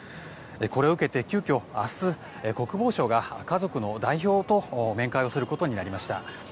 これを受けて急きょ明日、国防省が家族の代表と面会することになりました。